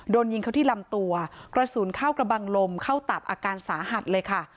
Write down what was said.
โดนยิงเขาที่ลำตัวกระสุนเข้ากระบังลมเข้าตับอาการสาหัสเลยค่ะ